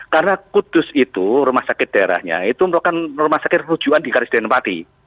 karena kudus itu rumah sakit daerahnya itu merupakan rumah sakit rujuan di karistai nepati